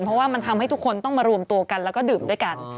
เพราะว่ามันทำให้ทุกคนต้องมารวมตัวกันแล้วก็ดื่มด้วยกัน